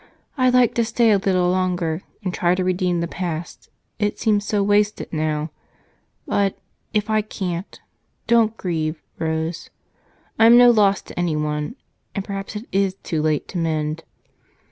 I'd like to stay a little longer and try to redeem the past; it seems so wasted now, but if I can't, don't grieve, Rose. I'm no loss to anyone, and perhaps it is too late to mend."